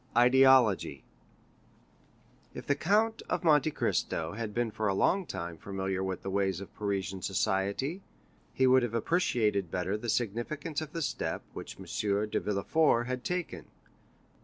Ideology If the Count of Monte Cristo had been for a long time familiar with the ways of Parisian society, he would have appreciated better the significance of the step which M. de Villefort had taken.